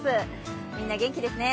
みんな元気ですね。